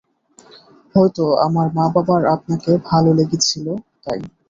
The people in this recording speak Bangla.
হয়তো আমার মা বাবার আপনাকে ভালো লেগেছিল তাই।